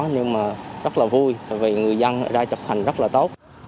nhưng mà rất là vui vì người dân ở đây trở thành rất là tốt